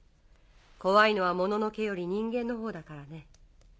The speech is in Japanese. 怖いのはもののけより人間のほうだからね。